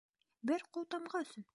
Бер ҡултамға өсөн!